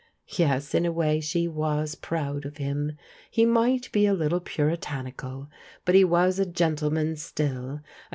Yes, in a way she was proud of him. He might be a little puritanical ; but he was a gentleo^ua stUl, a.